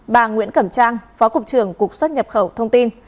bà nguyễn cẩm trang phó cục trưởng cục xuất nhập khẩu thông tin